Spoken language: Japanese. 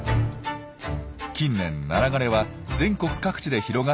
近年ナラ枯れは全国各地で広がっているといいます。